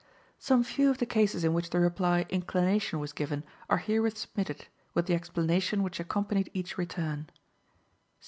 Some few of the cases in which the reply "Inclination" was given are herewith submitted, with the explanation which accompanied each return.